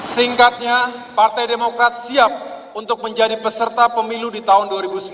singkatnya partai demokrat siap untuk menjadi peserta pemilu di tahun dua ribu sembilan belas